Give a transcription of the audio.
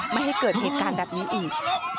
ไม่ให้เกิดเหตุการณ์แบบนี้อีก